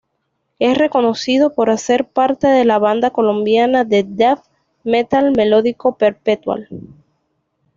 Es reconocido por hacer parte de la banda colombiana de death metal melódico Perpetual.